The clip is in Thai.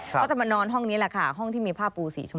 เขาจะมานอนห้องนี้แหละค่ะห้องที่มีผ้าปูสีชม